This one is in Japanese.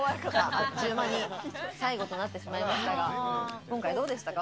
あっちゅう間に最後となってしまいましたが、今回どうでしたか？